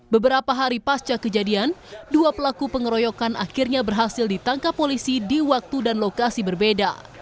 beberapa hari pasca kejadian dua pelaku pengeroyokan akhirnya berhasil ditangkap polisi di waktu dan lokasi berbeda